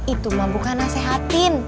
itu mah bukan nasehatin